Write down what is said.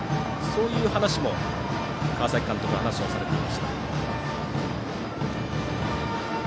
そういう話も川崎監督は話をされていました。